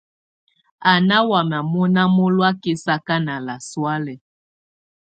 A ná wàya mɔna mɔloɔ̀̀á kɛsaka nà lasɔálɛ̀.